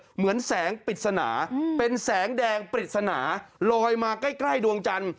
เหมือนแสงปริศนาเป็นแสงแดงปริศนาลอยมาใกล้ดวงจันทร์